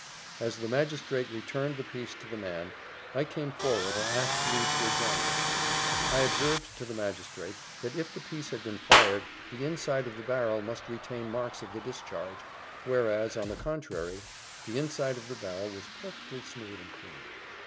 As the magistrate returned the piece to the man, I came forward and asked leave to examine it. I observed to the magistrate, that if the piece had been fired, the inside of the barrel must retain marks of the discharge, whereas, on the contrary, the inside of the barrel was perfectly smooth and clean.